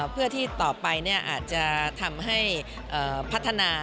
เพื่อที่ต่อไปอาจจะทำให้พัฒนา